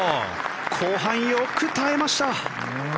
後半よく耐えました。